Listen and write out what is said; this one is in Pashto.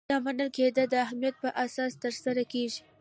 دا منل کیدل د اهلیت په اساس ترسره کیږي.